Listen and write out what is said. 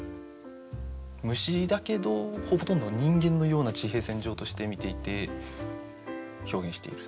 虫だけどほとんど人間のような地平線上として見ていて表現している。